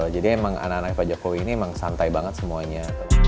jadi emang anak anak bapak jokowi ini emang santai banget semuanya